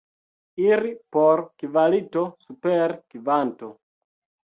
Iri por kvalito super kvanto.